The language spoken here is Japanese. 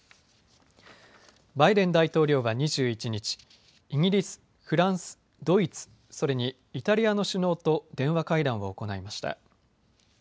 バイデン大統領は２１日、イギリス、フランス、ドイツ、それにイタリアの首脳と電話会談を行いました。